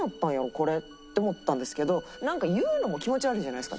これって思ったんですけどなんか言うのも気持ち悪いじゃないですか。